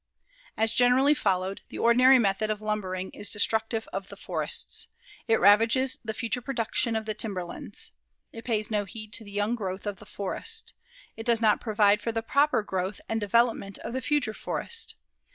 As generally followed, the ordinary method of lumbering is destructive of the forests. It ravages the future production of the timberlands. It pays no heed to the young growth of the forest. It does not provide for the proper growth and development of the future forest.